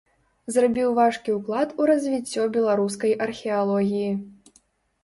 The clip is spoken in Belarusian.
Зрабіў важкі ўклад у развіццё беларускай археалогіі.